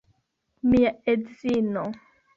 Mia edzino!